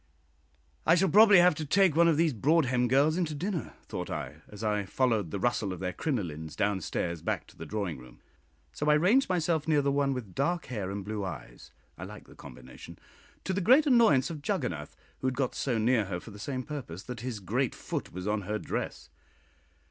"I shall probably have to take one of these Broadhem girls in to dinner," thought I, as I followed the rustle of their crinolines down stairs back to the drawing room. So I ranged myself near the one with dark hair and blue eyes I like the combination to the great annoyance of Juggonath, who had got so near her for the same purpose that his great foot was on her dress.